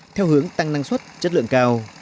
theo hướng tăng năng suất chất lượng cao